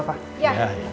sampai jumpa kembali